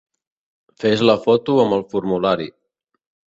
Fes la foto amb el formulari.